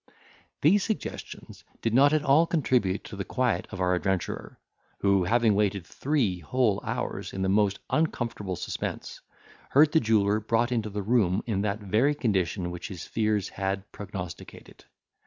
These suggestions did not at all contribute to the quiet of our adventurer, who, having waited three whole hours in the most uncomfortable suspense, heard the jeweller brought into the room in that very condition which his fears had prognosticated.